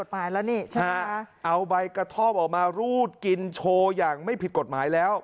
ใช่ไหมครับเอาใบกระทำออกมารูดกินโชว์อย่างไม่ผิดกฎหมายแล้ว